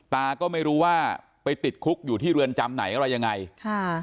ตาก็ไม่รู้ว่าไปติดคุกอยู่ที่เรือนจำไหนอะไรยังไงค่ะ